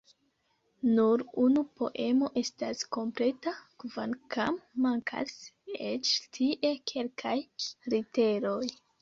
Nur unu poemo estas kompleta, kvankam mankas eĉ tie kelkaj literoj.